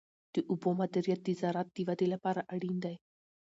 د اوبو مدیریت د زراعت د ودې لپاره اړین دی.